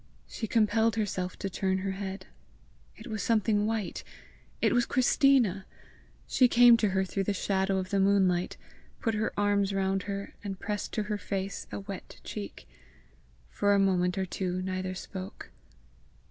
She compelled herself to turn her head. It was something white! it was Christina! She came to her through the shadow of the moonlight, put her arms round her, and pressed to her face a wet cheek. For a moment or two neither spoke.